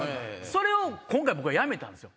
それを今回僕はやめたんです。